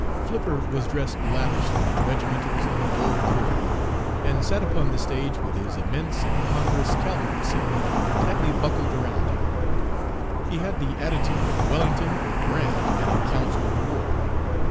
"Flipper was dressed lavishly in regimentals and gold cord, and sat upon the stage with his immense and ponderous cavalry sabre tightly buckled around him. He had the attitude of Wellington or Grant at a council of war.